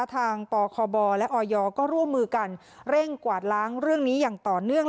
ทางปคบและออยก็ร่วมมือกันเร่งกวาดล้างเรื่องนี้อย่างต่อเนื่อง